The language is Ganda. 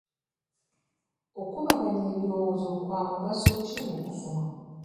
Okukubaganya ebirowoozo kwa mugaso ki mu kusoma?